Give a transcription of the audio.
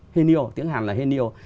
haenyeo tiếng hàn là haenyeo